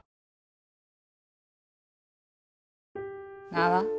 名は。